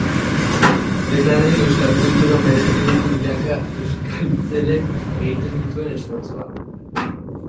Dena den, euskal kulturak merezi du milaka euskaltzaleek egiten duten esfortzua.